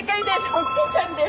ホッケちゃんです。